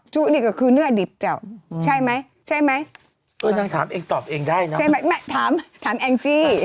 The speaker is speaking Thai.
ซู้นี่ก็คือเนื้อดิบเจ้าใช่ไหมน้องถามเองตอบเองได้นะไม่ถามถามแอ็งจี้